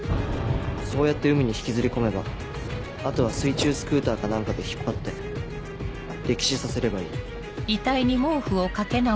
そうやって海に引きずり込めばあとは水中スクーターか何かで引っ張って溺死させればいい。